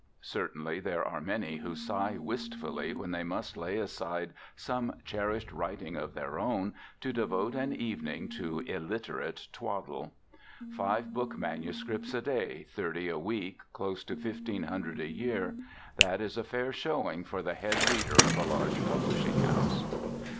Certainly there are many who sigh wistfully when they must lay aside some cherished writing of their own to devote an evening to illiterate twaddle. Five book manuscripts a day, thirty a week, close to fifteen hundred a year—that is a fair showing for the head reader of a large publishing house.